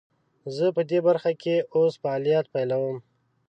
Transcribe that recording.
زه پدي برخه کې اوس فعالیت پیلوم.